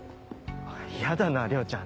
やだな涼ちゃん